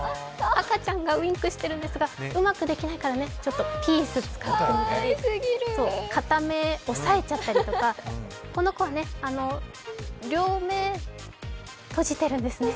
赤ちゃんがウインクしてるんですがうまくできないから、ちょっとピースやってみたり片目をおさえちゃったりとか、この子は両目閉じてるんですね。